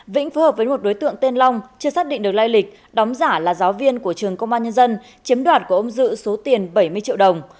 vĩnh phù hợp với một đối tượng tên long chưa xác định được lai lịch đóng giả là giáo viên của trường công an nhân dân chiếm đoạt của ông dự số tiền bảy mươi triệu đồng